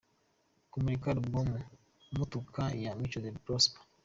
Kumurika Album Umutaka ya Mico Prosper .